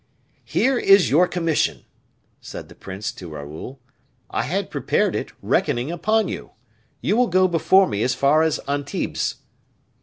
"Here is your commission," said the prince to Raoul. "I had prepared it, reckoning upon you. You will go before me as far as Antibes."